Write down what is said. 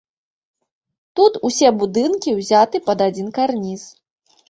Тут усе будынкі ўзяты пад адзін карніз.